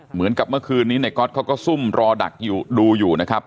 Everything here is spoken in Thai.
เหมือนกับเมื่อคืนนี้ในก็อตเขาก็สุ่มรอดักดูอยู่นะครับ